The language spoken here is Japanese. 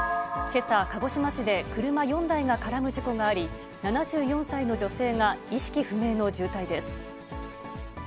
けさ、鹿児島市で車４台が絡む事故があり、７４歳の女性が意識不明の重体です。